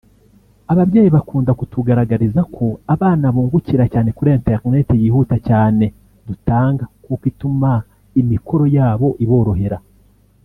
Ababyeyi bakunda kutugaragariza ko abana bungukira cyane kuri Internet yihuta cyane dutanga kuko ituma imikoro yabo iborohera